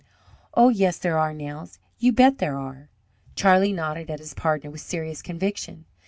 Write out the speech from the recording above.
"Oh, yes, there are, Nels! You bet there are!" Charlie nodded at his partner with serious conviction.